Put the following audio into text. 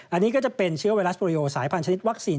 อันนี้ก็จะเป็นเชื้อไวรัสโรยโอสายพันธนิดวัคซีน